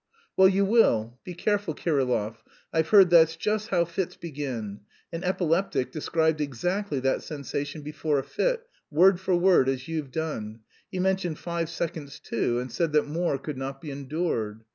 "Well, you will. Be careful, Kirillov. I've heard that's just how fits begin. An epileptic described exactly that sensation before a fit, word for word as you've done. He mentioned five seconds, too, and said that more could not be endured.